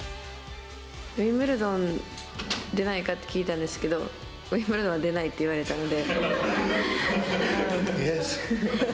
ウィンブルドン出ないかって、聞いたんですけど、ウィンブルドン出ないって言われたので。